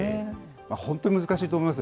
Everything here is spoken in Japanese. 本当、難しいと思います。